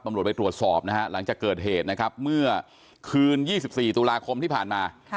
ตำรวจไปตรวจสอบนะฮะหลังจากเกิดเหตุนะครับเมื่อคืน๒๔ตุลาคมที่ผ่านมา